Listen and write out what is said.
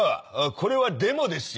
これはデモですよ。